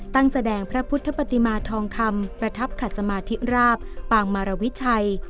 แสดงพระพุทธปฏิมาทองคำประทับขัดสมาธิราบปางมารวิชัย